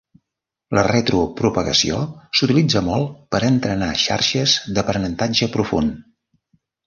La retropropagació s'utilitza molt per a entrenar xarxes d'aprenentatge profund.